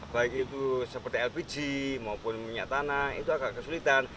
baik itu seperti lpg maupun minyak tanah itu agak kesulitan